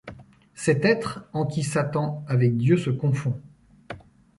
Cet être en qui Satan avec Dieu se confond :